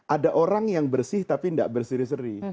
ada orang yang bersih tapi tidak berseri seri